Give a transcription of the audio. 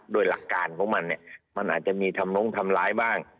โดยหลักการของมันเนี่ยมันอาจจะมีทำลงทำร้ายบ้าง